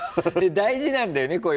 大事なんだよね